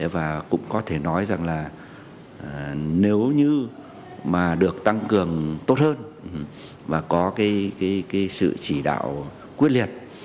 và cũng có thể nói rằng là nếu như mà được tăng cường tốt hơn và có cái sự chỉ đạo quyết liệt